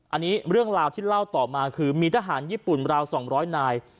อันนี้เรื่องราวที่เล่าต่อมาคือมีทหารญี่ปุ่นราว๒๐๐นาย